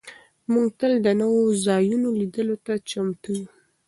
موږ تل د نویو ځایونو لیدلو ته چمتو یو.